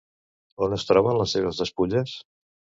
On es troben les seves despulles?